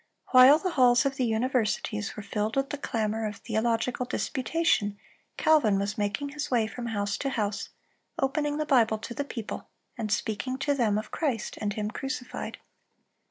While the halls of the universities were filled with the clamor of theological disputation, Calvin was making his way from house to house, opening the Bible to the people, and speaking to them of Christ and Him crucified.